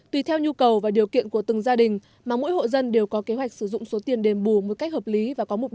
tùy theo nhu cầu và điều kiện của từng gia đình mà mỗi hộ dân đều có kế hoạch sử dụng số tiền đềm bù